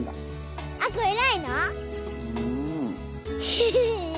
ヘヘヘ。